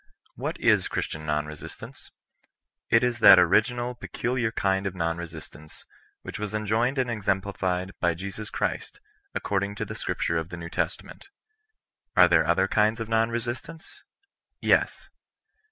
What is Christian Kon Resistance ? It is that original peculiar kind of non resistanoe, which was enjoined and exemplified by Jesus Christy according to the Scriptures of Hie Kew Testament. Are there other kinds of non resistance? Tes.